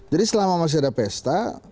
jadi selama masih ada pesta